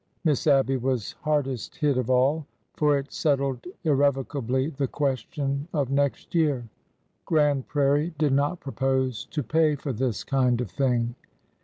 Miss 1 Abby was hardest hit of all,— for it settled irrevo cably the question of next year. Grand Prairie did not propose to pay for this kind of thing!